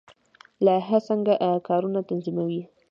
لایحه څنګه کارونه تنظیموي؟